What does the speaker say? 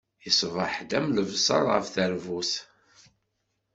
Iṣbeḥ-d am lebzeṛ ɣef teṛbut.